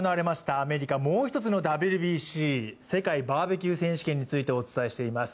アメリカもう一つのＷＢＣ、世界バーベキュー選手権についてお伝えしています。